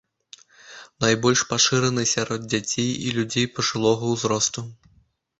Найбольш пашыраны сярод дзяцей і людзей пажылога ўзросту.